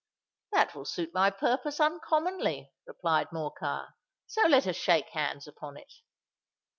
"That will suit my purpose uncommonly," replied Morcar: "so let us shake hands upon it."